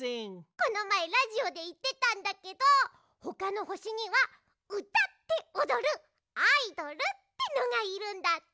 このまえラジオでいってたんだけどほかのほしにはうたっておどるアイドルってのがいるんだって。